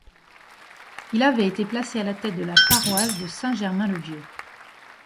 Il avait été placé à la tête de la paroisse de Saint-Germain-le-Vieux.